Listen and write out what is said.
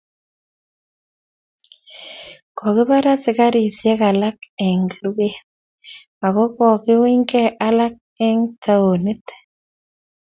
kokipar askarisiek alak eng' luket ako kokiunygei alak eng' townit